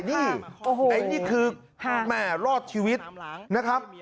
นี่ไอ้นี่คือแม่รอดชีวิตนะครับ